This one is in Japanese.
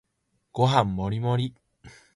ご飯もりもり